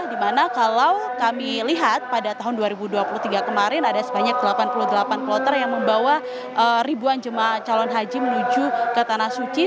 di mana kalau kami lihat pada tahun dua ribu dua puluh tiga kemarin ada sebanyak delapan puluh delapan kloter yang membawa ribuan jemaah calon haji menuju ke tanah suci